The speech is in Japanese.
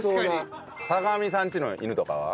坂上さんちの犬とかは？